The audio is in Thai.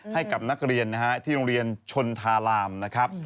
ให้กับนักเรียนนะฮะที่โรงเรียนชนทารามนะครับ